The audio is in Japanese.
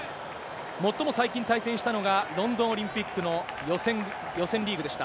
もっとも最近対戦したのが、ロンドンオリンピックの予選リーグでした。